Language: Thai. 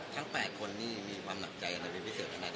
ทั้ง๘คนนี้มีผว่ามหัวใจนะคะ